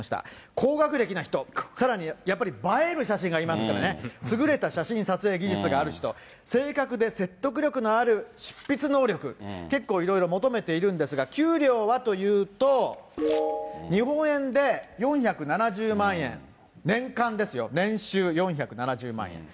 高学歴な人、さらにやっぱり映える写真がありますからね、優れた写真撮影技術がある人、正確で説得力のある執筆能力、結構いろいろ求めているんですが、給料はというと、日本円で４７０万円、年間ですよ、年収４７０万円。